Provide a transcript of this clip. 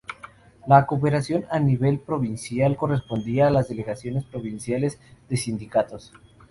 La cooperación a nivel provincial correspondía a las delegaciones provinciales de Sindicatos.